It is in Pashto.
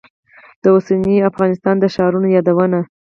د اوسني افغانستان د ښارونو یادونه.